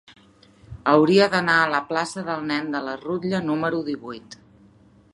Hauria d'anar a la plaça del Nen de la Rutlla número divuit.